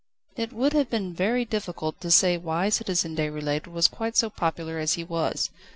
It would have been very difficult to say why Citizen Déroulède was quite so popular as he was.